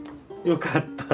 「よかった」。